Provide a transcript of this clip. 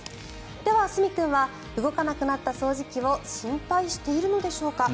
では、澄君は動かなくなった掃除機を心配しているのでしょうか。